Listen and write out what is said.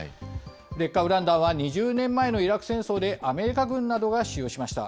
劣化ウラン弾は２０年前のイラク戦争でアメリカ軍などが使用しました。